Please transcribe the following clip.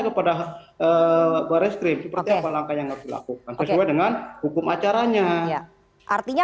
kepada baris krim seperti apa langkah yang harus dilakukan sesuai dengan hukum acaranya artinya